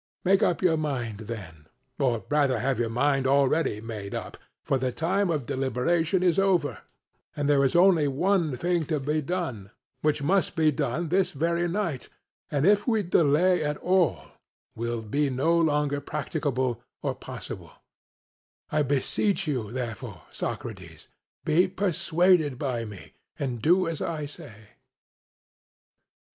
Make up your mind then, or rather have your mind already made up, for the time of deliberation is over, and there is only one thing to be done, which must be done this very night, and if we delay at all will be no longer practicable or possible; I beseech you therefore, Socrates, be persuaded by me, and do as I say.